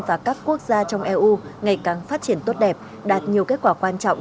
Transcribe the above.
và các quốc gia trong eu ngày càng phát triển tốt đẹp đạt nhiều kết quả quan trọng